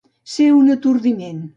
Ser un atordiment.